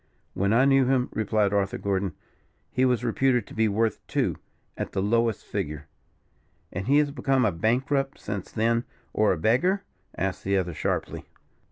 "When I knew him," replied Arthur Gordon, "he was reputed to be worth two, at the lowest figure." "And has he become a bankrupt since then, or a beggar?" asked the other, sharply.